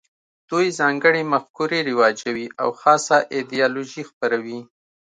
دوی ځانګړې مفکورې رواجوي او خاصه ایدیالوژي خپروي